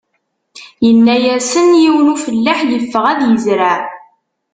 Inna-asen: Yiwen n ufellaḥ iffeɣ ad izreɛ.